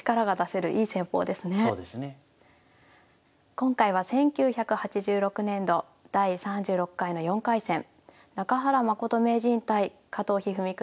今回は１９８６年度第３６回の４回戦中原誠名人対加藤一二三九